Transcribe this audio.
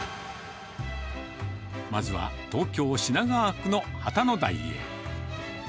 まずは東京・品川区の旗の台へ。